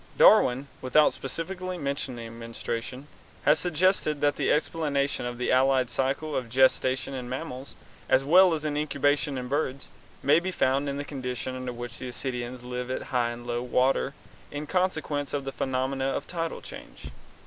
Darwin, without specifically mentioning menstruation, has suggested that the explanation of the allied cycle of gestation in mammals, as well as incubation in birds, may be found in the condition under which ascidians live at high and low water in consequence of the phenomena of tidal change.